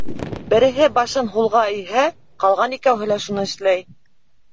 Береһе башын һулға эйһә, ҡалған икәүһе лә шуны эшләй.